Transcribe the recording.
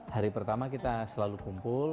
hari pertama kita selalu kumpul